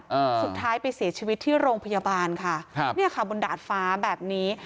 อ่าสุดท้ายไปเสียชีวิตที่โรงพยาบาลค่ะครับเนี่ยค่ะบนดาดฟ้าแบบนี้